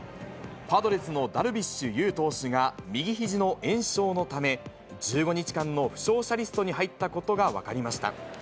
パドレスのダルビッシュ有投手が、右ひじの炎症のため、１５日間の負傷者リストに入ったことが分かりました。